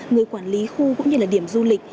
người quản lý khu cũng như là điểm du lịch